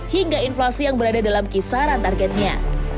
hingga inflasi yang berada dalam kisaran targetnya